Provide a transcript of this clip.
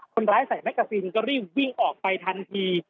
คนร้ายใส่แมกกาซินก็รีบวิ่งออกไปทันที